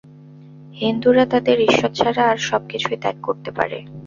হিন্দুরা তাদের ঈশ্বর ছাড়া আর সব-কিছুই ত্যাগ করতে পারে।